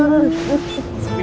kate nggak gitu kali ini nari